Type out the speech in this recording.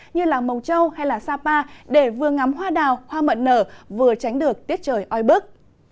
như là mộc châu hay sapa để vừa ngắm hoa đào hoa mận nở vừa tránh được tiết trời oi bức